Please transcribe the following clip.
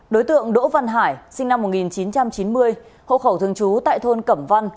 đối tượng đỗ văn hải sinh năm một nghìn chín trăm chín mươi hộ khẩu thường trú tại thôn cẩm văn